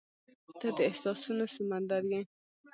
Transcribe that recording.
• ته د احساسونو سمندر یې.